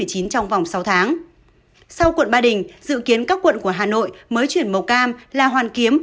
trong vòng sáu tháng sau quận ba đình dự kiến các quận của hà nội mới chuyển màu cam là hoàn kiếm